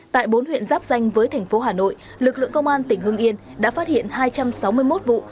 tại bốn huyện giáp danh với thành phố hà nội lực lượng công an tỉnh hưng yên đã phát hiện hai trăm sáu mươi một vụ